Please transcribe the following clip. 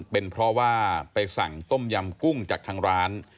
เป็นเพราะว่าไปสั่งต้มยำกุ้งจากทางร้าน